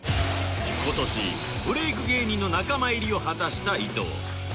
今年ブレイク芸人の仲間入りを果たした伊藤